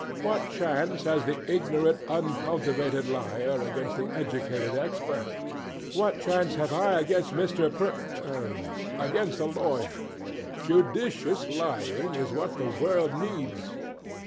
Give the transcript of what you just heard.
What chance has the ignorant uncultivated liar against the educated expert? What chance have I against Mr. Per against a lawyer? Judicious lying is what the world needs.